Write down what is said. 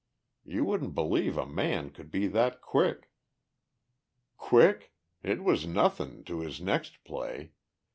You wouldn't believe a man could be that quick. "Quick? It wasn't nothin' to his next play.